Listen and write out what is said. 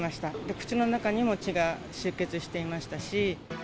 口の中にも血が、出血していましたし。